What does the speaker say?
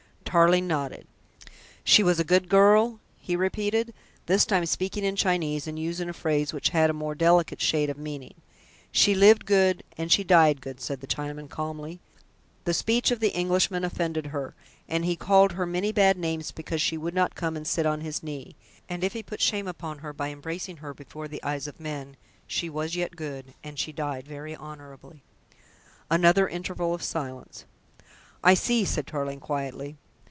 Tarling nodded. "She was a good girl?" he repeated, this time speaking in Chinese and using a phrase which had a more delicate shade of meaning. "She lived good and she died good," said the Chinaman calmly. "The speech of the Englishman offended her, and he called her many bad names because she would not come and sit on his knee; and if he put shame upon her by embracing her before the eyes of men, she was yet good, and she died very honourably." Another interval of silence. "I see," said Tarling quietly.